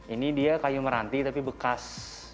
ini dia kayu meranti tapi bekas